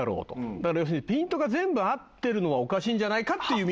だから要するにピントが全部合ってるのはおかしいんじゃないかっていうみんな話。